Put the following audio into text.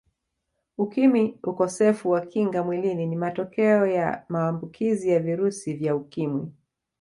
Ukimwi Ukosefu wa Kinga Mwilini ni matokea ya maambukizi ya virusi vya Ukimwi